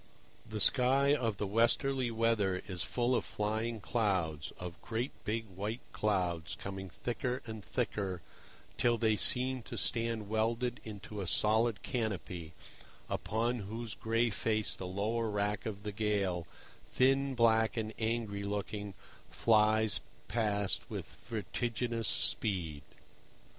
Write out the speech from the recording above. The sky of the westerly weather is full of flying clouds, of great big white clouds coming thicker and thicker till they seem to stand welded into a solid canopy, upon whose gray face the lower wrack of the gale, thin, black and angry looking, flies past with vertiginous speed.